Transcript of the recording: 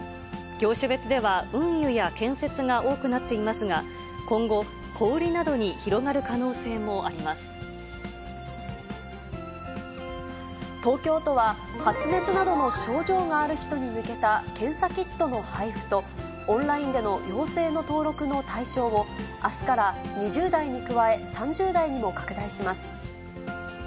業種別では、運輸や建設が多くなっていますが、今後、小売りなど東京都は、発熱などの症状がある人に向けた検査キットの配布と、オンラインでの陽性の登録の対象を、あすから２０代に加え、３０代にも拡大します。